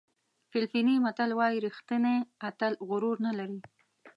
فلپیني متل وایي ریښتینی اتل غرور نه لري.